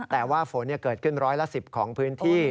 แต่ว่าฝนเกิดขึ้นร้อยละ๑๐ของพื้นที่